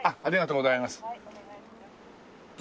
ありがとうございます。